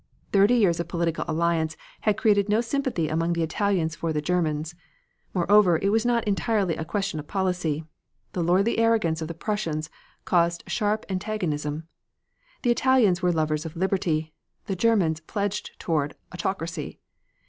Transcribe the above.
Thirty years of political alliance had created no sympathy among the Italians for the Germans. Moreover, it was not entirely a question of policy. The lordly arrogance of the Prussians caused sharp antagonism. The Italians were lovers of liberty; the Germans pledged toward autocracy.